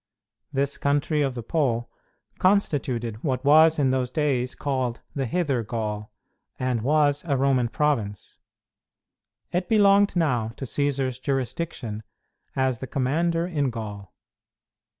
This country of the Po constituted what was in those days called the hither Gaul, and was a Roman province. It belonged now to Cćsar's jurisdiction, as the commander in Gaul.